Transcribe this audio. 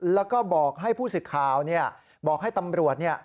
แล้วก็บอกให้ผู้สิทธิ์ข่าวเนี่ยบอกให้ตำรวจเนี่ย